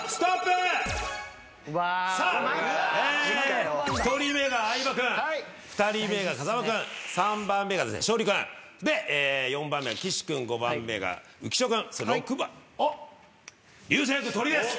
さあ１人目が相葉君２人目が風間君３番目が勝利君で４番目が岸君５番目が浮所君６番おっ流星君トリです。